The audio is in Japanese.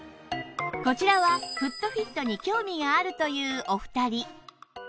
こちらはフットフィットに興味があるというお二人